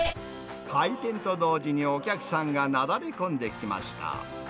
開店と同時にお客さんがなだれ込んできました。